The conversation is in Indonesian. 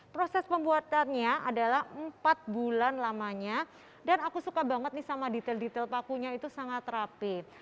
proses pembuatannya adalah empat bulan lamanya dan aku suka banget nih sama detail detail pakunya itu sangat rapid